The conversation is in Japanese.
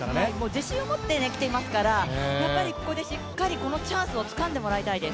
自信を持ってきていますから、ここでしっかりこのチャンスをつかんでもらいたいです。